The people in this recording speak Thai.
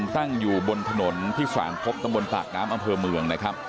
ตั้งอยู่บนถนนที่สามพบตำบลปากน้ำอำเภอเมืองนะครับ